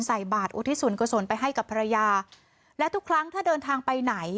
ใส่บาทอุทิศส่วนกุศลไปให้กับภรรยาและทุกครั้งถ้าเดินทางไปไหน